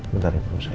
bentar ya bu rosa ya